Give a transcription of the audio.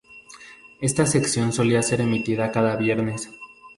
Esta sección solía ser emitida cada viernes.